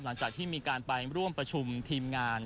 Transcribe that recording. หลังจากที่มีการไปร่วมประชุมทีมงาน